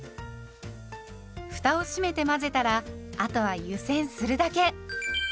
ふたを閉めて混ぜたらあとは湯煎するだけ。